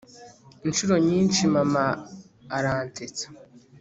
inshuro nyinshi mama aransetsa